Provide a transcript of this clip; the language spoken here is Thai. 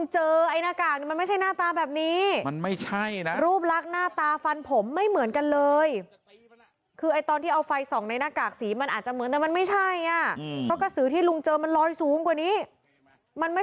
โจรก็จะจับข้าวหัวก็จะเอากระสือก็อยากได้เนอะ